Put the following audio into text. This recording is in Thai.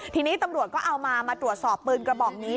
ทีนี้ตำรวจก็เอามามาตรวจสอบปืนกระบอกนี้